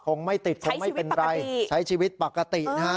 คงไม่ติดคงไม่เป็นไรใช้ชีวิตปกตินะฮะ